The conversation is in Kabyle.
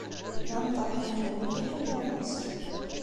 D ameṭreḥ yelhan mliḥ i yiḍes.